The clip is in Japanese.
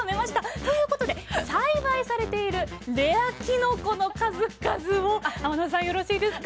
ということで栽培されているレアきのこの数々を天野さんよろしいですか？